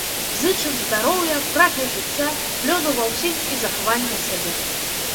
Зычым здароўя, прагі жыцця, плёну ва ўсім і захавання сябе!